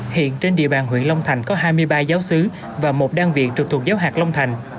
hiện trên địa bàn huyện long thành có hai mươi ba giáo sứ và một đăng viện trực thuộc giáo hạt long thành